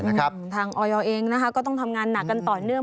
ทางออยเองนะคะก็ต้องทำงานหนักกันต่อเนื่อง